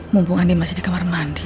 mumpung ani masih di kamar mandi